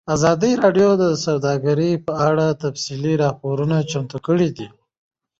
ازادي راډیو د سوداګري په اړه تفصیلي راپور چمتو کړی.